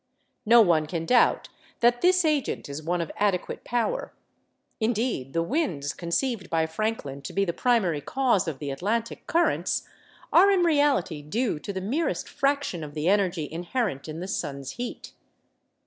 No one can doubt that this agent is one of adequate power. Indeed, the winds, conceived by Franklin to be the primary cause of the Atlantic currents, are in reality due to the merest fraction of the energy inherent in the sun's heat.